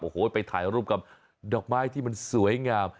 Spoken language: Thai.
โอ้โหไปถ่ายรูปกับดอกไม้ที่มันสวยงาม